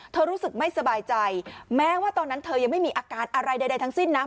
รู้สึกไม่สบายใจแม้ว่าตอนนั้นเธอยังไม่มีอาการอะไรใดทั้งสิ้นนะ